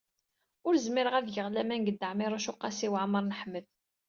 Ur zmireɣ ad geɣ laman deg Dda Ɛmiiruc u Qasi Waɛmer n Ḥmed.